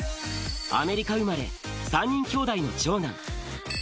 アメリカ生まれ、３人兄弟の長男。